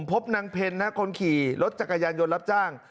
พบนางเพ็ญคนขี่รถจักรยานยนต์รับจ้าง